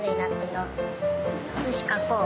よしかこう。